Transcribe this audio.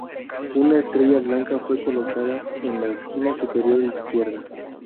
Una estrella blanca fue colocada en la esquina superior izquierda.